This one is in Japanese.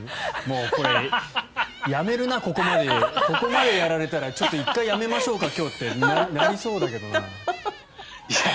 これ、ここまでやられたらちょっと１回、今日やめましょうかってなりそうだけどな。